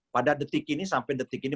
pada detik ini sampai detik ini